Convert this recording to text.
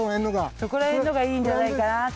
そこら辺のがいいんじゃないかなと。